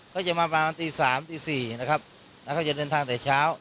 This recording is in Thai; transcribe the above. เขาจะมาประมาณตีสามตีสี่นะครับแล้วเขาจะเดินทางแต่เช้า